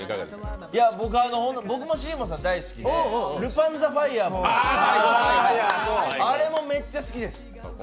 僕もＳＥＡＭＯさん大好きで、「ルパン・ザ・ファイヤー」あれもめっちゃ好きです。